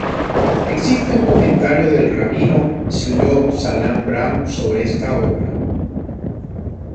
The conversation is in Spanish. Existe un comentario del Rabino Shlomo Zalman Braun sobre esta obra.